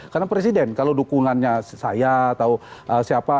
karena presiden kalau dukungannya saya atau siapa